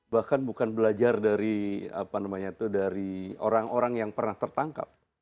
bahkan bukan belajar dari apa namanya itu dari orang orang yang pernah tertangkap